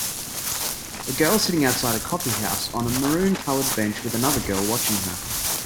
A girl sitting outside a coffee house on a maroon colored bench with another girl watching her.